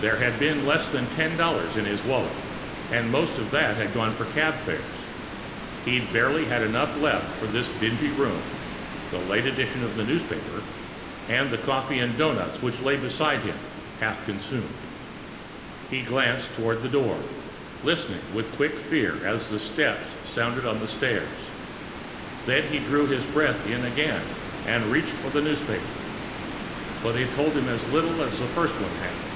There had been less than ten dollars in his wallet, and most of that had gone for cab fares. He'd barely had enough left for this dingy room, the later edition of the newspaper, and the coffee and donuts that lay beside him, half consumed. He glanced toward the door, listening with quick fear as steps sounded on the stairs. Then he drew his breath in again, and reached for the newspaper. But it told him as little as the first one had.